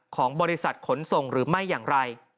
ของบริษัทขนส่งหรือไม่อย่างไร